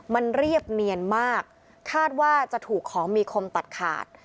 มันเรียบเนียนมากคาดว่าจะถูกของมีคมตัดขาด